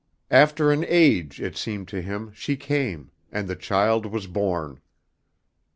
After an age, it seemed to him, she came, and the child was born.